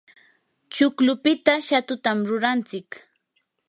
chuklupita shatutam rurantsik.